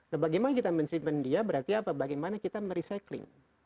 nah bagaimana kita men treatment dia berarti apa bagaimana kita merecycling